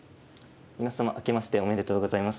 皆様明けましておめでとうございます。